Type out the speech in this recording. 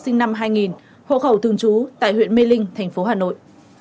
đỗ đăng hoạt sinh năm hai nghìn hộ khẩu thường trú tại huyện mê linh thành phố hà nội